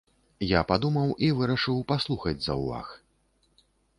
Я падумаў і вырашыў паслухаць заўваг.